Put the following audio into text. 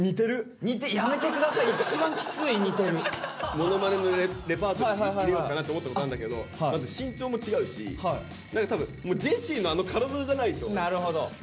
ものまねのレパートリーに入れようかなって思ったことあんだけどまず身長も違うし何か多分ジェシーのあの体じゃないと。